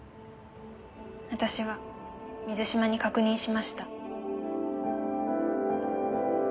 私は水嶋に確認しました。